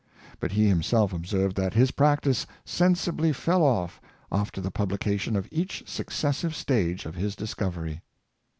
But he himself observed that his practice sensibly fell off after the publication of each successive stage of his discovery.